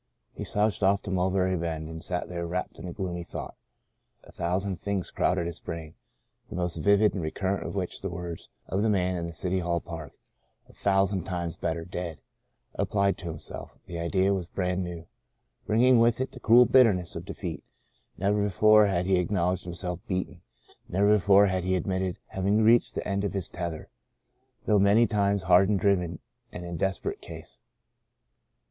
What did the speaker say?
He slouched off to Mulberry Bend, and sat there wrapped in gloomy thought. A thou sand things crowded his brain, the most vivid and recurrent of which were the words of the man in City Hall Park :" A thousand times better dead!^^ Applied to himself, the idea was brand new, bringing with it the cruel bitterness of defeat. Never before had he acknowledged himself beaten ; never be fore had he admitted having reached the end of his tether, though many times hard driven and in desperate case.